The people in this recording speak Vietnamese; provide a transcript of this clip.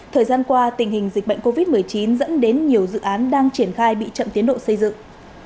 thời gian qua tình hình dịch bệnh covid một mươi chín dẫn đến nhiều dự án đang triển khai bị chậm tiến độ xây dựng